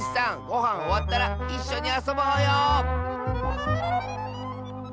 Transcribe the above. ごはんおわったらいっしょにあそぼうよ！